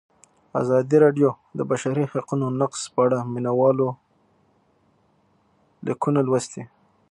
ازادي راډیو د د بشري حقونو نقض په اړه د مینه والو لیکونه لوستي.